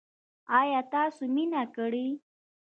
ایا تاسو مینه کړې؟